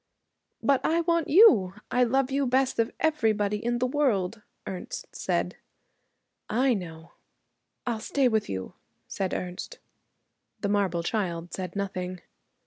'But I want you. I love you best of everybody in the world,' Ernest said. 'I know.' 'I'll stay with you,' said Ernest. The marble child said nothing.